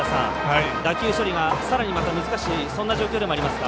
打球処理が難しいそんな状況でもありますか？